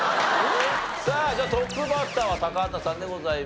さあじゃあトップバッターは高畑さんでございます。